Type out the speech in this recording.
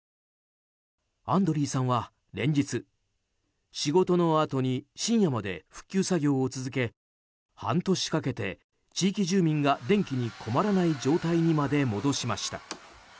アンドリイさんは連日、仕事のあとに深夜まで復旧作業を続け半年かけて地域住民が電気に困らない状態にまで戻しました。